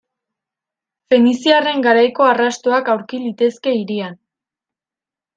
Feniziarren garaiko arrastoak aurki litezke hirian.